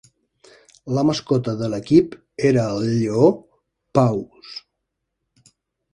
La mascota de l'equip era el lleó Paws.